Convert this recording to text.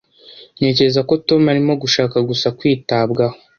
Ntekereza ko Tom arimo gushaka gusa kwitabwaho.